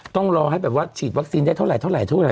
ต้องลอให้แบบว่าฉีดเซ็นได้เท่าไหร่